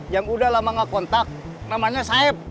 yang udah lama gak kontak namanya saib